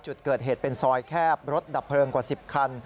จุดเกิดเหตุเป็นซอยแคบรถดับเพลิงกว่า๑๐คัน